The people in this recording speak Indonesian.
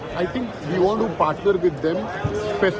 saya pikir kita ingin berpartner dengan mereka